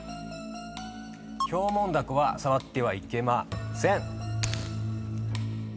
ヒョウモンダコは触ってはいけません。